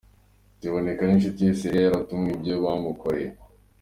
Akibonana n'inshuti ye Ciella yaratarumva ibyo bamukoreye.